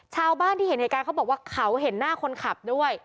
ชาวบ้านที่เห็นเหตุการณ์เขาบอกว่าเขาเห็นหน้าคนขับด้วย